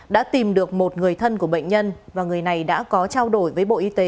đã tìm được một người thân của bệnh nhân và người này đã có trao đổi với bộ y tế